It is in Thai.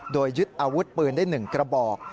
โดยยึดอาวุธปืนได้๑กระบอก